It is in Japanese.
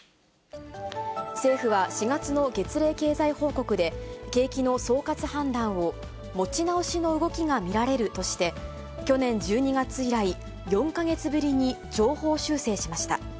政府は、４月の月例経済報告で、景気の総括判断を、持ち直しの動きが見られるとして去年１２月以来、４か月ぶりに上方修正しました。